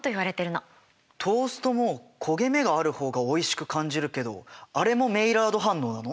トーストも焦げ目がある方がおいしく感じるけどあれもメイラード反応なの？